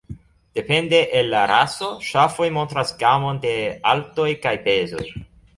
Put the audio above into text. Depende el la raso, ŝafoj montras gamon de altoj kaj pezoj.